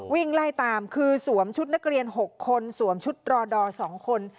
วิ่งไล่ตามคือสวมชุดนักเรียน๖คนสวมชุดรอดอร์๒คน